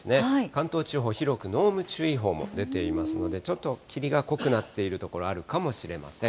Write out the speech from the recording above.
関東地方、広く濃霧注意報も出ていますので、ちょっと霧が濃くなっている所あるかもしれません。